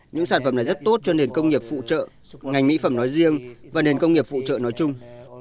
những sản phẩm này rất tốt cho nền công nghiệp phụ trợ ngành mỹ phẩm nói riêng và nền công nghiệp phụ trợ nói chung